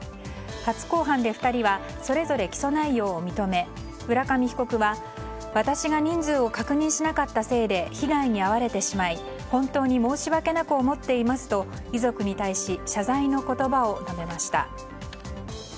初公判で２人はそれぞれ起訴内容を認め浦上被告は私が人数を確認しなかったせいで被害に遭われてしまい本当に申し訳なく思っていますと遺族に対し謝罪の言葉を述べました。